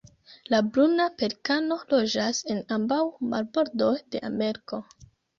La Bruna pelikano loĝas en ambaŭ marbordoj de Ameriko.